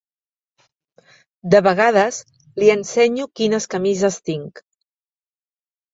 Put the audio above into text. De vegades li ensenyo quines camises tinc.